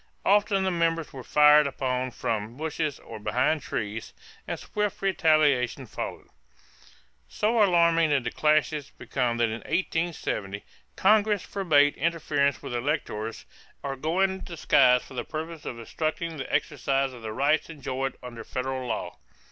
Often the members were fired upon from bushes or behind trees, and swift retaliation followed. So alarming did the clashes become that in 1870 Congress forbade interference with electors or going in disguise for the purpose of obstructing the exercise of the rights enjoyed under federal law.